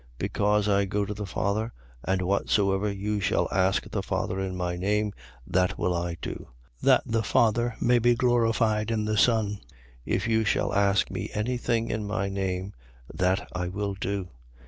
14:13. Because I go to the Father: and whatsoever you shall ask the Father in my name, that will I do: that the Father may be glorified in the Son. 14:14. If you shall ask me any thing in my name, that I will do.